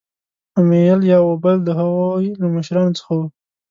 اومیل یا اوبل د هغوی له مشرانو څخه وو.